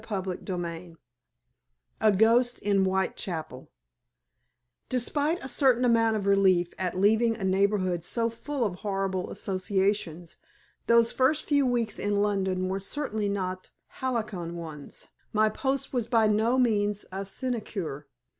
CHAPTER XXVII A GHOST IN WHITECHAPEL Despite a certain amount of relief at leaving a neighborhood so full of horrible associations, those first few weeks in London were certainly not halcyon ones. My post was by no means a sinecure.